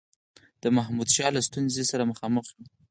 د محمودشاه له ستونزي سره مخامخ وو.